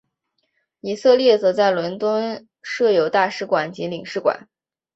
以色列则在伦敦设有大使馆及领事馆。